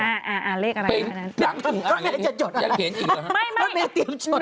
เลขอะไรอยู่ในนั้นอยากเขียนจริงหรอมันไม่เตรียมชด